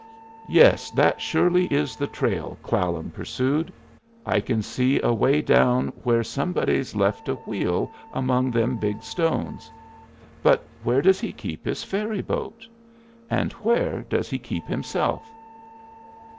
"Yes, that surely is the trail," Clallam pursued. "I can see away down where somebody's left a wheel among them big stones. But where does he keep his ferry boat? And where does he keep himself?"